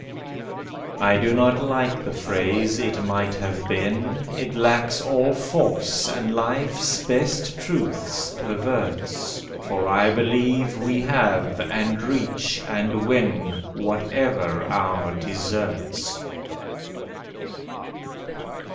I do not like the phrase, "It might have been!" It lacks all force, and life's best truths perverts For I believe we have, and reach, and win, Whatever our deserts.